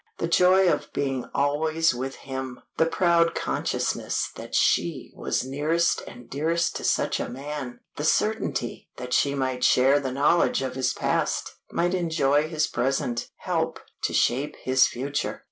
The joy of being always with him; the proud consciousness that she was nearest and dearest to such a man; the certainty that she might share the knowledge of his past, might enjoy his present, help to shape his future.